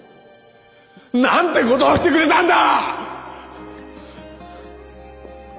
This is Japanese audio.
ことをしてくれたんだ！